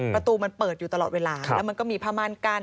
ประตูมันเปิดอยู่ตลอดเวลาแล้วมันก็มีผ้าม่านกั้น